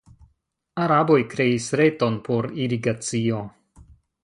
Araboj kreis reton por irigacio.